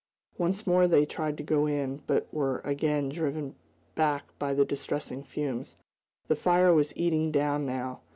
Once more they tried to go in, but were again driven back by the distressing fumes. The fire was eating down, now.